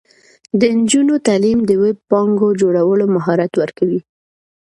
د نجونو تعلیم د ویب پاڼو جوړولو مهارت ورکوي.